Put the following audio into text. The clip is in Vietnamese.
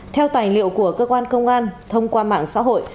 theo tài liệu của cơ quan công an thông qua mạng xã hội